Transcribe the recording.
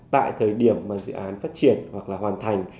tại thời điểm mà dự án phát triển hoặc là hoàn thành